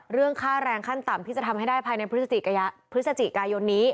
เรื่องค่าแรงขั้นต่ำที่จะทำให้ได้ภายในพฤศจิกายนนี้